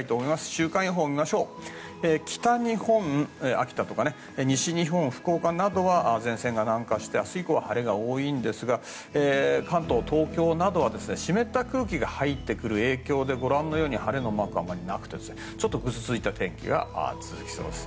週間予報、北日本などは前線が南下して明日以降は晴れが多いんですが関東、東京などは湿った空気が入ってくる影響でご覧のように晴れのマークがあまりなくてぐずついた天気が続きそうです。